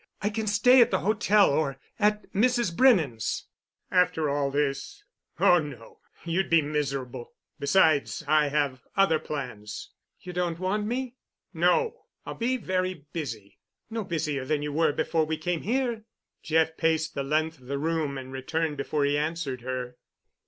I can stay at the hotel or at Mrs. Brennan's." "After all this? Oh, no, you'd be miserable. Besides, I have other plans." "You don't want me?" "No. I'll be very busy." "No busier than you were before we came here." Jeff paced the length of the room and returned before he answered her.